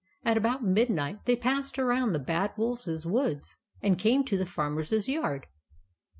At about midnight, they passed around the Bad Wolfs woods, and came to the Farmer's yard.